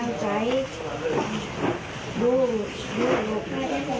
ยังพูดแบบผิดอดงามธุรกิษฐาครับ